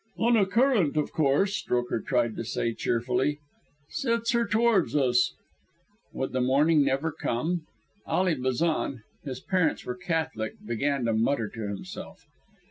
"Oh, a current, of course," Strokher tried to say cheerfully, "sets her toward us." Would the morning never come? Ally Bazan his parents were Catholic began to mutter to himself.